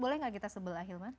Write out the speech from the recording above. boleh gak kita sebelah hilman